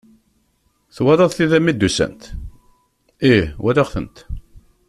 Twalaḍ tida mi d-usant? Ih walaɣ-tent.